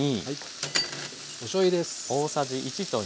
おしょうゆです。